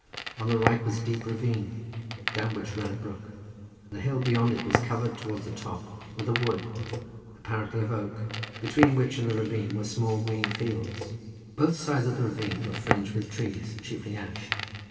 On the right was a deep ravine, down which ran a brook; the hill beyond it was covered towards the top with a wood, apparently of oak, between which and the ravine were small green fields. Both sides of the ravine were fringed with trees, chiefly ash.